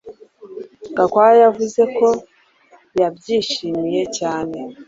Gakwaya yavuze ko yabyishimiye cyane